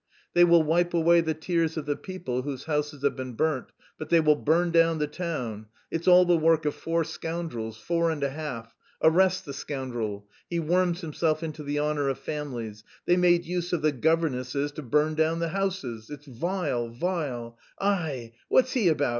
"They will wipe away the tears of the people whose houses have been burnt, but they will burn down the town. It's all the work of four scoundrels, four and a half! Arrest the scoundrel! He worms himself into the honour of families. They made use of the governesses to burn down the houses. It's vile, vile! Aie, what's he about?"